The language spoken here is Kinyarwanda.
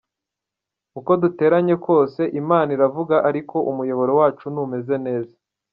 Uko duteranye kose Imana iravuga ariko umuyoboro wacu ntumeze neza.